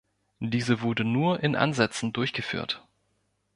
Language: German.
Diese wurde nur in Ansätzen durchgeführt.